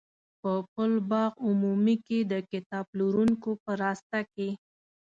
په پل باغ عمومي کې د کتاب پلورونکو په راسته کې.